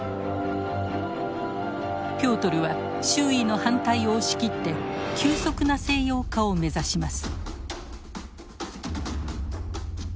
ピョートルは周囲の反対を押し切って急速な西洋化を目指します。